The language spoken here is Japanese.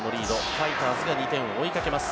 ファイターズが２点を追いかけます。